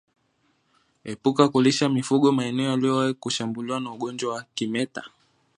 Epuka kulisha mifugo maeneo yaliyowahi kushambuliwa na ugonjwa wa kimeta